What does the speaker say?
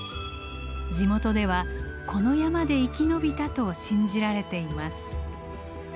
地元ではこの山で生き延びたと信じられています。